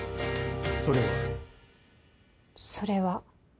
それは。それは？